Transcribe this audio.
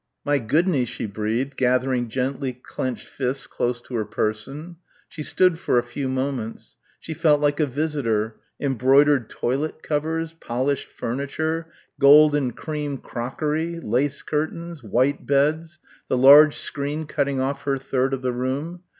"My goodney," she breathed, gathering gently clenched fists close to her person. She stood for a few moments; she felt like a visitor ... embroidered toilet covers, polished furniture, gold and cream crockery, lace curtains, white beds, the large screen cutting off her third of the room